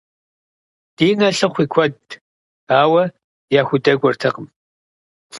Динэ лъыхъу и куэдт, ауэ яхудэкӏуэртэкъым.